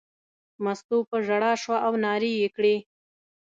مستو په ژړا شوه او نارې یې کړې.